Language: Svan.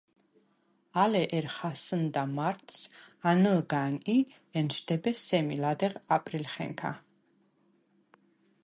ალე ერ ხასჷ̄ნდა მარტს, ანჷ̄გან ი ენშდებე სემი ლადეღ აპრილხენქა.